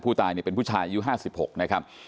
ผู้ตายเนี่ยเป็นผู้ชายอายุห้าสิบหกนะครับ